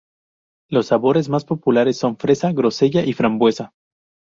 Los sabores más populares son fresa, grosella y frambuesa.